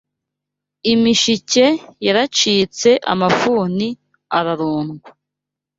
Imishike yaracitse Amafuni ararundwa